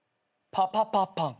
パパパパン。